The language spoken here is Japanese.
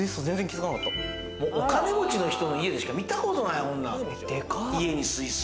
お金持ちの人の家でしか見たことない、こんなん。